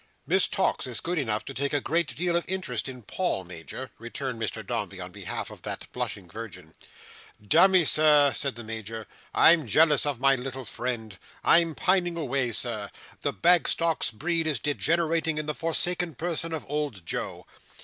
"Miss Tox is good enough to take a great deal of interest in Paul, Major," returned Mr Dombey on behalf of that blushing virgin. "Damme Sir," said the Major, "I'm jealous of my little friend. I'm pining away Sir. The Bagstock breed is degenerating in the forsaken person of old Joe."